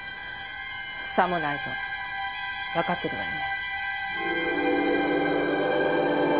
さもないとわかってるわよね。